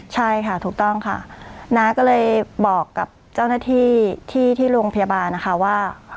ใช่ค่ะถูกต้องค่ะน้าก็เลยบอกกับเจ้าหน้าที่ที่โรงพยาบาลนะคะว่า